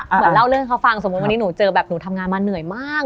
เหมือนเล่าเรื่องเขาฟังสมมุติวันนี้หนูเจอแบบหนูทำงานมาเหนื่อยมาก